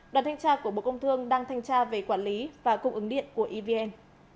đoàn thanh tra của bộ công thương đang thanh tra về quản lý và cung ứng điện của evn